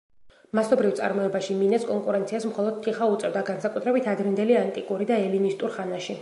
მასობრივ წარმოებაში მინას კონკურენციას მხოლოდ თიხა უწევდა, განსაკუთრებით ადრინდელი ანტიკური და ელინისტურ ხანაში.